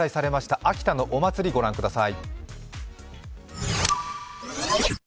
秋田のお祭り、ご覧ください。